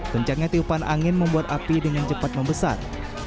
kencangnya tiupan angin membuat api dengan cepat membesar